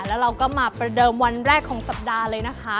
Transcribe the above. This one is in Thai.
แล้วเราก็มาประเดิมวันแรกของสัปดาห์เลยนะคะ